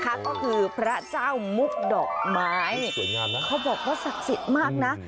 ก็คือพระเจ้ามุทธดอกไม้เขาบอกว่าศักดิ์สิทธิ์มากนะ